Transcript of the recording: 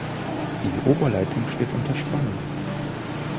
Die Oberleitung steht unter Spannung.